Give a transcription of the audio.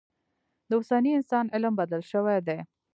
د اوسني انسان علم بدل شوی دی.